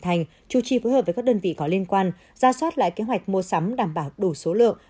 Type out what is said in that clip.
thành chủ trì phối hợp với các đơn vị có liên quan ra soát lại kế hoạch mua sắm đảm bảo đủ số lượng